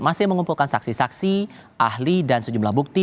masih mengumpulkan saksi saksi ahli dan sejumlah bukti